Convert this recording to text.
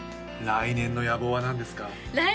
来年の野望ですか？